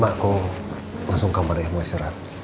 mbak aku langsung ke kamarnya mau istirahat